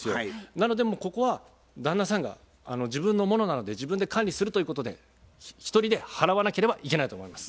なのでここは旦那さんが自分のものなので自分で管理するということで１人で払わなければいけないと思います。